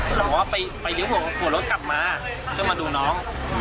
เค้าว่าไปเลี้ยวหัวรถกลับมาเพื่อมาดูน้อง